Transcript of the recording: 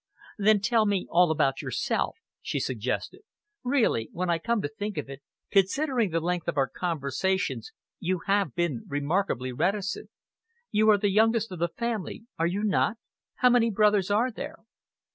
"Then tell me all about yourself," she suggested. "Really, when I come to think of it, considering the length of our conversations, you have been remarkably reticent. You are the youngest of the family, are you not? How many brothers are there?"